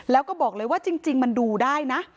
แล้วก็บอกเลยว่าจริงมันดูได้นะ